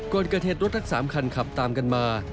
ก่อนเกิดเหตุรถทั้ง๓คันขับตามกันมา